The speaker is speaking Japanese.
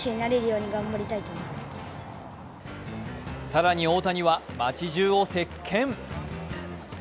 更に大谷は街じゅうを席けん。